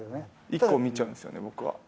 結構見ちゃうんですよね、僕は。